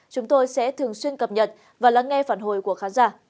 chúng tôi sẽ thường xuyên cập nhật và lắng nghe phản hồi của khán giả